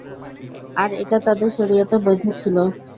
আর এটা তাদের শরীয়তে বৈধ ছিল।